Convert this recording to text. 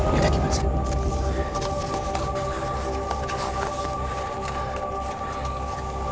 kita pergi balik